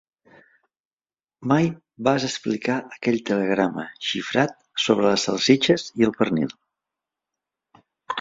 Mai vas explicar aquell telegrama xifrat sobre les salsitxes i el pernil.